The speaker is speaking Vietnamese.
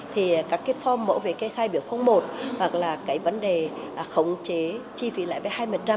thì các cái form mẫu về cây khai biểu một hoặc là cái vấn đề khống chế tỷ lệ lãi vay hai mươi